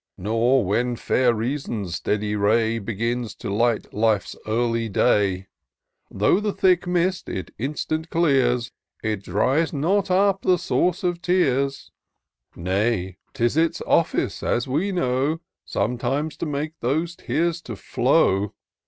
Nor, when fair Reason's steady ray Begins to light Life's early day, Though the thick mist it instant clears. It dries not up the source of tears ; Nay, 'tis its office, as we know. Sometimes to make those tears to flow.